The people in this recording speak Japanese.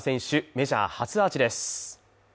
メジャー初アーチです。